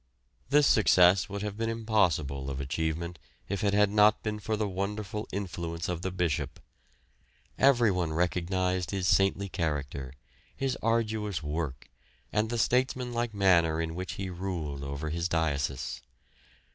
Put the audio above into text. This success would have been impossible of achievement if it had not been for the wonderful influence of the Bishop. Everyone recognised his saintly character, his arduous work, and the statesmanlike manner in which he ruled over his diocese.